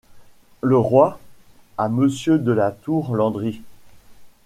Le Roi, à Monsieur de la Tour-Landry.